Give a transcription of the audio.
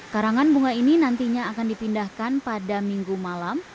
karangan bunga ini nantinya akan dipindahkan pada minggu malam